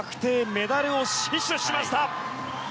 メダルを死守しました。